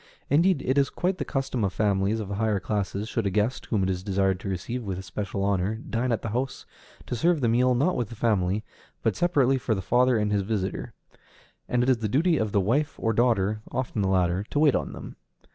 Indeed, it is quite the custom in families of the higher classes, should a guest, whom it is desired to receive with especial honor, dine at the house, to serve the meal, not with the family, but separately for the father and his visitor; and it is the duty of the wife or daughter, oftener the latter, to wait on them.